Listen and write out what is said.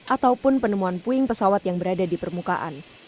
ataupun penemuan puing pesawat yang berada di permukaan